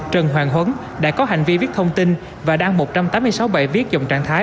trần hoàng huấn đã có hành vi viết thông tin và đăng một trăm tám mươi sáu bài viết dòng trạng thái